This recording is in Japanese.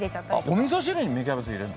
お味噌汁に芽キャベツ入れんの？